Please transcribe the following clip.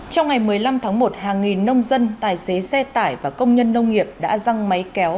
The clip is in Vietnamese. trong ngày một mươi năm tháng một hàng nghìn nông dân tài xế xe tải và công nhân nông nghiệp đã răng máy kéo